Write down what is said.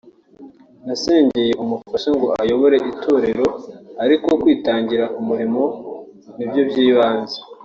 nasengeye umufasha ngo ayobore itorero ariko kwitangira umurimo ni byo by’ibanze